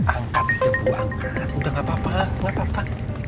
angkat aja bu angkat udah gak apa apa gak apa apa